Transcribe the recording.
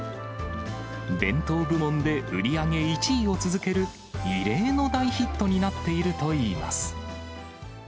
弁当部門で売り上げ１位を続ける異例の大ヒットになっているといいます。